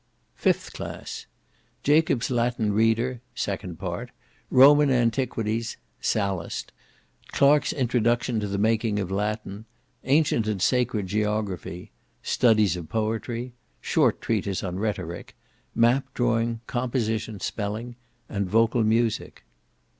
Fifth Class Jacob's Latin Reader, (second part); Roman Antiquities, Sallust; Clark's Introduction to the Making of Latin; Ancient and Sacred Geography; Studies of Poetry; Short Treatise on Rhetoric; Map Drawing, Composition, Spelling, and Vocal Music.